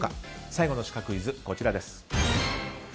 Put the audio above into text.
最後のシカクイズ、こちらです。